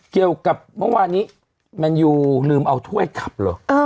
เกี่ยวกับเมื่อวานนี้แมนยูลืมเอาถ้วยขับเหรอ